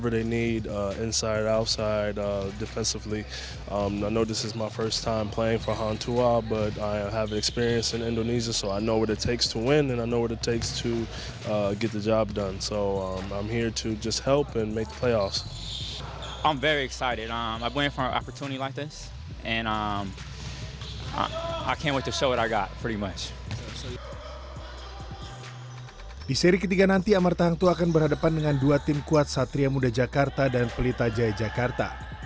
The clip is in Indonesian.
di seri ketiga nanti amarta hangtua akan berhadapan dengan dua tim kuat satria muda jakarta dan pelita jaya jakarta